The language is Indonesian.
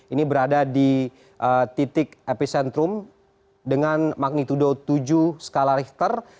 ini berada di titik epicentrum dengan magnitudo tujuh skala richter